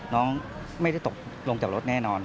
น้องไม่ได้ตกลงจากรถแน่นอน